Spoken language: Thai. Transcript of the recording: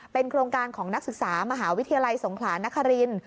โครงการของนักศึกษามหาวิทยาลัยสงขลานคริน